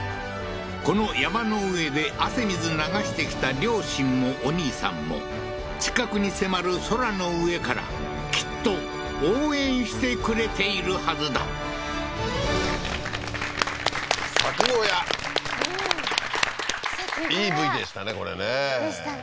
この山の上で汗水流してきた両親もお兄さんも近くに迫る空の上からきっと応援してくれているはずだ作小屋うんいいＶＴＲでしたねこれねでしたね